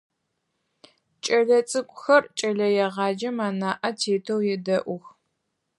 Кӏэлэцӏыкӏухэр кӏэлэегъаджэм анаӏэ тетэу едэӏух.